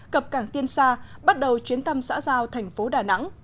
cập cảng tiên sa bắt đầu chuyến thăm xã giao thành phố đà nẵng